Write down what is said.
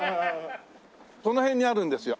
この辺にあるんですよ。